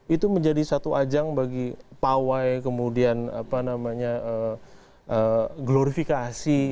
itu menjadi satu ajang bagi pawai kemudian apa namanya glorifikasi